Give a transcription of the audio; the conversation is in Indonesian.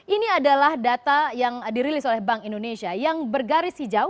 ini adalah data yang dirilis oleh bank indonesia yang bergaris